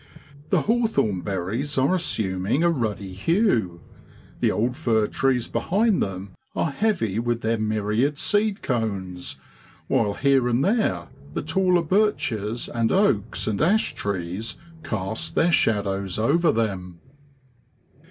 The hawthorn berries are assuming a ruddy hue, the old fir trees behind them are heavy with their myriad seed cones, while here and there the taller birches and oaks and ash trees cast their shadows over them.